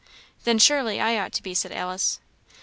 "Then surely I ought to be," said Alice.